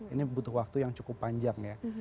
ini butuh waktu yang cukup panjang ya